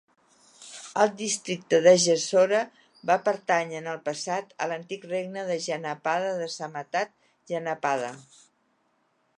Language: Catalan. El districte de Jessore va pertànyer en el passat a l'antic regne de Janapada de Samatat Janapada.